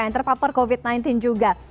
yang terpapar covid sembilan belas juga